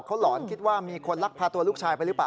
เขาหลอนคิดว่ามีคนลักพาตัวลูกชายไปหรือเปล่า